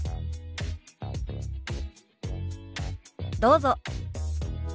どうぞ。